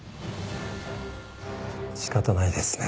仕方ないですね。